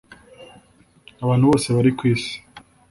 abantu bose bari ku isi